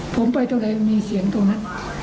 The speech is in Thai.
ผมไปตรงไหนมีเสียงตรงนั้น